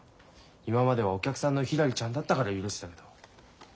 今まではお客さんのひらりちゃんだったから許せたけど。